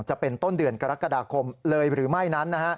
จะเป็นต้นเดือนกรกฎาคมเลยหรือไม่นั้น